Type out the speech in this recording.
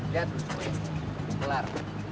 lihat gue kelar